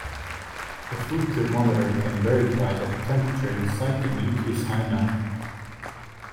A food thermometer can verify that the temperature inside the meat is high enough.